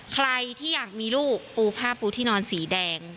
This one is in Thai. ใครที่อยากมีลูกปูผ้าปูที่นอนสีแดง